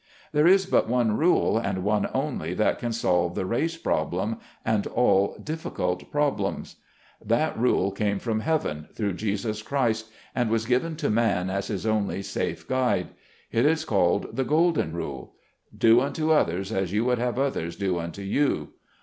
There is but one rule, and one only, that can solve the "Race Problem," and all difficult problems. That rule came from Heaven through Jesus Christ, and was given to man as his only safe guide; It is called the Golden Rule :" Do unto others as you would have others do unto you."